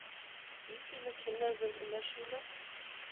Wie viele Kinder sind in der Schule?